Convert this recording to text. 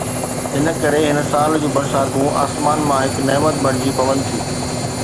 ان ڪري هن سال جون برساتون آسمان مان هڪ نعمت بڻجي پون ٿيون.